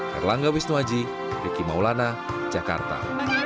harlangga wisnuwaji hekim maulana jakarta